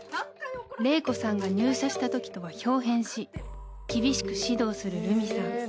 ［麗子さんが入社したときとは豹変し厳しく指導するルミさん］